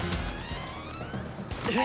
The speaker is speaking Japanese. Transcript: えっ！？